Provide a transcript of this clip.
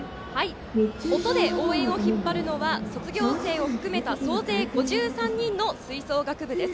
音で応援を引っ張るのが卒業生も含めた総勢５３人の吹奏楽部です。